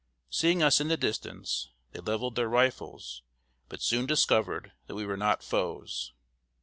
Seeing us in the distance, they leveled their rifles, but soon discovered that we were not foes.